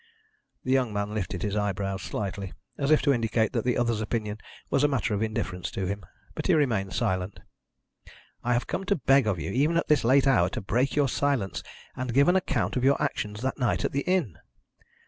The young man lifted his eyebrows slightly, as if to indicate that the other's opinion was a matter of indifference to him, but he remained silent. "I have come to beg of you, even at this late hour, to break your silence, and give an account of your actions that night at the inn."